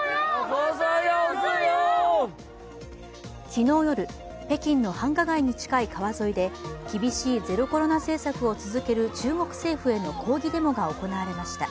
昨日夜、北京の繁華街に近い川沿いで厳しいゼロコロナ政策を続ける中国政府への抗議デモが行われました。